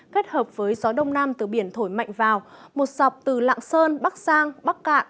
kết hợp với gió đông nam từ biển thổi mạnh vào một dọc từ lạng sơn bắc sang bắc cạn